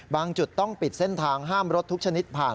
จุดต้องปิดเส้นทางห้ามรถทุกชนิดผ่าน